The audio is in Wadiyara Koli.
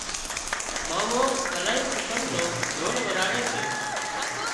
مامو االاهي قسم نو ڍول وزاڙي سي